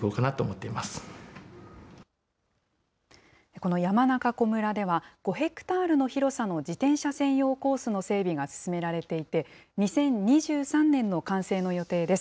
この山中湖村では５ヘクタールの広さの自転車専用コースの整備が進められていて、２０２３年の完成の予定です。